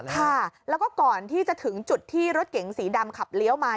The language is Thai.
ค่ะแล้วก็ก่อนที่จะถึงจุดที่รถเก๋งสีดำขับเลี้ยวมา